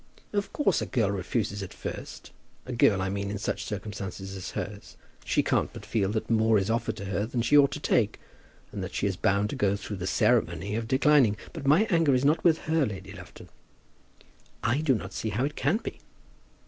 "Of course a girl refuses at first, a girl, I mean, in such circumstances as hers. She can't but feel that more is offered to her than she ought to take, and that she is bound to go through the ceremony of declining. But my anger is not with her, Lady Lufton." "I do not see how it can be."